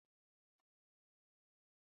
بزګران او نور زیار ایستونکي هم ورسره مل شول.